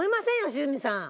良純さん。